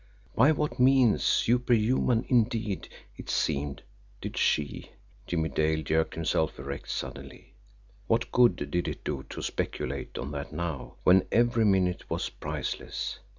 By what means, superhuman, indeed, it seemed, did she Jimmie Dale jerked himself erect suddenly. What good did it do to speculate on that now, when every minute was priceless?